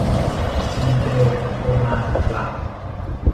คุณเจอโอมาหรือเปล่า